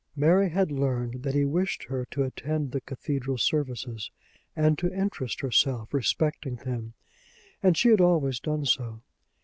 Mary had learned that he wished her to attend the cathedral services, and to interest herself respecting them, and she had always done so.